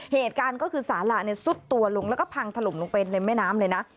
เหตุการณ์ก็คือสาระซุดตัวลงแล้วก็พังถล่มลงไปในแม่น้ำเลยนะ